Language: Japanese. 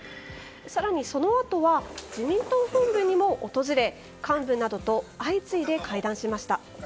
更に、そのあとは自民党本部にも訪れ幹部などと相次いで会談しました。